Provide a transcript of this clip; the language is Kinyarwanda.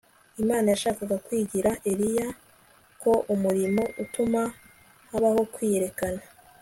Imana yashakaga kwigisha Eliya ko umurimo utuma habaho kwiyerekana